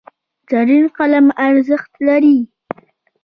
زرین قلم ارزښت لري.